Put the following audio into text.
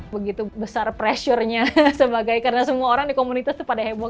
begitu besar pressure nya sebagai karena semua orang di komunitas itu pada heboh